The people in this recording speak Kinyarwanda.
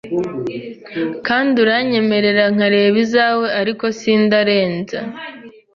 Kandi uranyemerera nkareba izawe, ariko sindarenze